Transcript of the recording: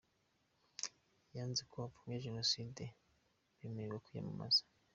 Yanze ko abapfobya Jenoside bemererwa kwiyamamaza.